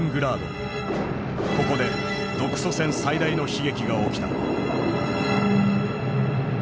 ここで独ソ戦最大の悲劇が起きた。